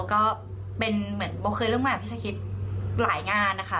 ก็เป็นเหมือนโบเคยร่วมงานกับพี่ชะคิดหลายงานนะคะ